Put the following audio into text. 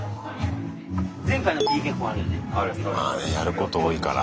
まあねやること多いから。